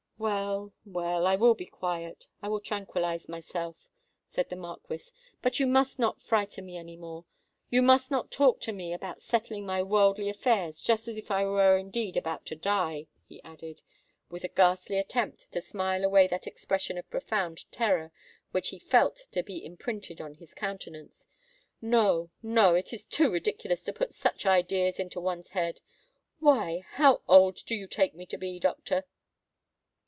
"Well—well—I will be quiet—I will tranquillise myself," said the Marquis. "But you must not frighten me any more—you must not talk to me about settling my worldly affairs—just as if I were indeed about to die," he added, with a ghastly attempt to smile away that expression of profound terror which he felt to be imprinted on his countenance. "No—no: it is too ridiculous to put such ideas into one's head! Why—how old do you take me to be, doctor?"